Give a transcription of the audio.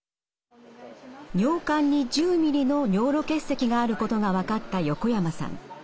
尿管に１０ｍｍの尿路結石があることが分かった横山さん。